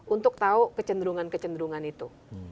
untuk tahu kecenderungan kecenderungan itu